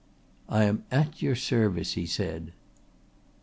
"I am at your service," he said.